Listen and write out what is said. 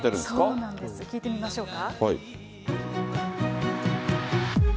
そうなんです、聴いてみましょうか。